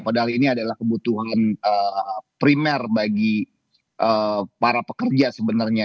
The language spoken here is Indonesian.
padahal ini adalah kebutuhan primer bagi para pekerja sebenarnya